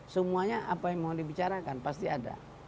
semuanya apa yang mau dibicarakan pasti ada